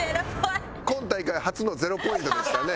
今大会初の０ポイントでしたね。